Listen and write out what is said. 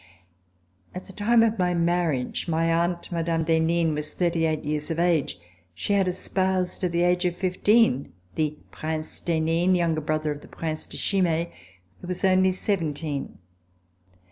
At the time of my marriage, my aunt, Mme. d'Henin, was thirty eight years of age. She had espoused, at the age of fifteen, the Prince d'Henin, younger brother of the Prince de Chimay, who was only seventeen.